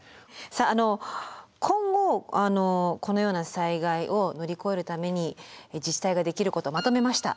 さああの今後このような災害を乗り越えるために自治体ができることまとめました。